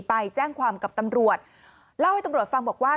ไปแจ้งความกับตำรวจเล่าให้ตำรวจฟังบอกว่า